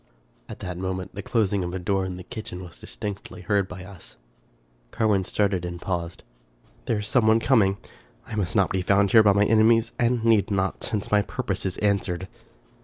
At that moment, the closing of a door in the kitchen was distinctly heard by us. Carwin started and paused. " There is some one coming. I must not be found here by my enemies, and need not, since my purpose is answered."